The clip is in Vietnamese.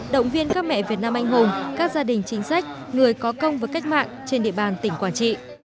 động viên các mẹ việt nam anh hùng các gia đình chính sách người có công và cách mạng trên địa bàn tỉnh quảng trị